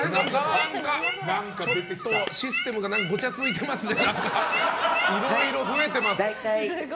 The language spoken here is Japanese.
システムがごちゃついてますね。